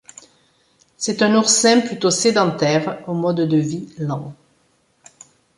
C'est un oursin plutôt sédentaire, au mode de vie lent.